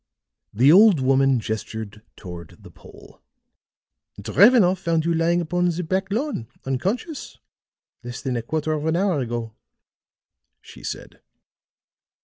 The old woman gestured toward the Pole. "Drevenoff found you lying upon the back lawn, unconscious, less than a quarter of an hour ago," she said.